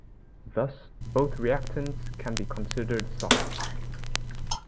Thus, both reactants can be considered soft.